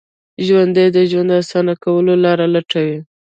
ژوندي د ژوند اسانه کولو لارې لټوي